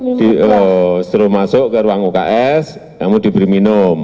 disuruh masuk ke ruang uks kamu diberi minum